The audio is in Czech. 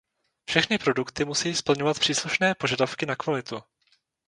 Všechny produkty musejí splňovat příslušné požadavky na kvalitu.